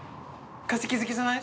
化石好きじゃない？